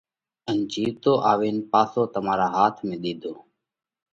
ان جيوَتو آوين پاسو تمارا هاٿ ۾ ۮِيڌو۔